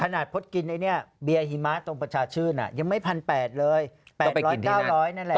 ขนาดพลตกินไอเนี่ยเบียร์หิมะตรงประชาชื่นอ่ะยังไม่พันแปดเลย๘๐๐๙๐๐นั่นแหละ